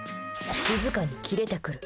静かにキレてくる。